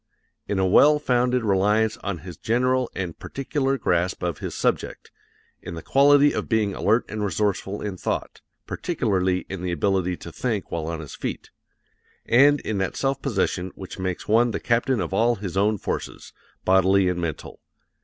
In a well founded reliance on his general and particular grasp of his subject; in the quality of being alert and resourceful in thought particularly in the ability to think while on his feet; and in that self possession which makes one the captain of all his own forces, bodily and mental.